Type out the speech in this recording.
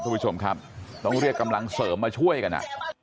คุณผู้ชมครับต้องเรียกกำลังเสริมมาช่วยกัน